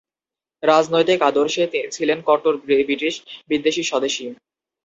রাজনৈতিক আদর্শে ছিলেন কট্টর ব্রিটিশ-বিদ্বেষী স্বদেশী।